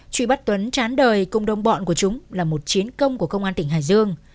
chuy bắt tuấn trán đời công đông bọn của chúng là một chiến công của công an tỉnh hải dương